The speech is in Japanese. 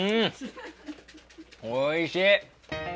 おいしい。